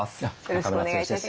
中村剛です。